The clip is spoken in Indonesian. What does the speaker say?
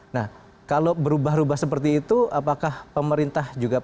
nah kalau berubah ubah seperti itu apakah pemerintah juga